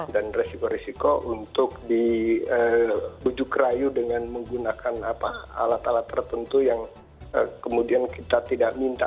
dan risiko risiko untuk diujuk rayu dengan menggunakan alat alat tertentu yang kemudian kita tidak minta